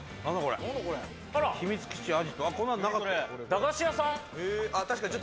駄菓子屋さん？